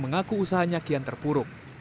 mengaku usahanya kian terpuruk